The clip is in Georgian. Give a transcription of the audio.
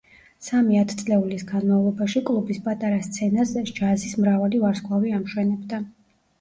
სამი ათწლეულის განმავლობაში კლუბის პატარა სცენას ჯაზის მრავალი ვარსკვლავი ამშვენებდა.